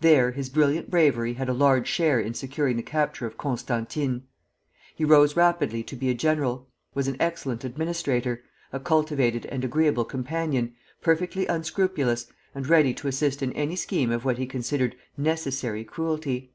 There his brilliant bravery had a large share in securing the capture of Constantine. He rose rapidly to be a general, was an excellent administrator, a cultivated and agreeable companion, perfectly unscrupulous, and ready to assist in any scheme of what he considered necessary cruelty.